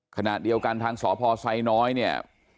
ขณะเดียวกันทางสพไซน้อยเนี่ย